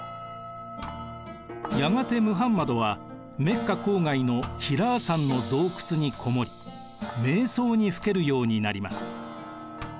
やがてムハンマドはメッカ郊外のヒラー山の洞窟にこもり瞑想にふけるようになります。